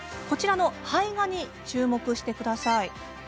こちらの胚芽に注目してください。